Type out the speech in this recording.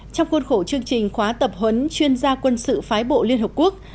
trong khuôn khổ chương trình khóa tập huấn chuyên gia quân sự phái bộ liên hợp quốc